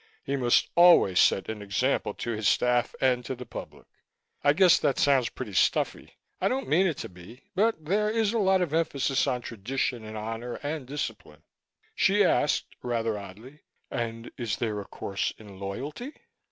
He must always set an example to his staff and to the public. I guess that sounds pretty stuffy. I don't mean it to be. But there is a lot of emphasis on tradition and honor and discipline." She asked, rather oddly, "And is there a course in loyalty?"